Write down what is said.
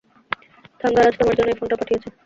থাঙ্গারাজ তোমার জন্য এই ফোনটা পাঠিয়েছে।